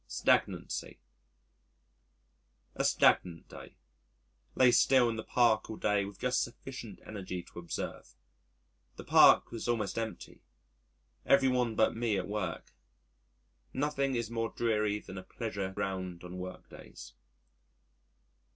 Stagnancy A stagnant day. Lay still in the Park all day with just sufficient energy to observe. The Park was almost empty. Every one but me at work. Nothing is more dreary than a pleasure ground on workdays.